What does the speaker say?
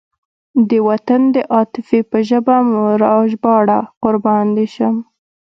د وطن د عاطفې په ژبه مه راژباړه قربان دې شم.